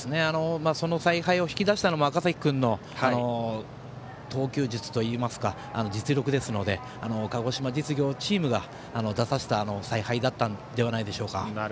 その采配を引き出したのも赤嵜君の投球術といいますか実力ですので鹿児島実業チームが出させた采配だったのではないでしょうか。